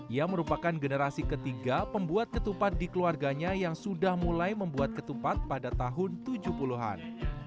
ia merupakan generasi ketiga pembuat ketupat di keluarganya yang sudah mulai membuat ketupat pada tahun tujuh puluh an